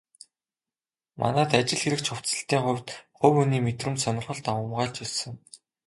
Манайд ажил хэрэгч хувцаслалтын хувьд хувь хүний мэдрэмж, сонирхол давамгайлж ирсэн.